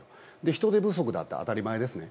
人手不足だって当たり前ですね。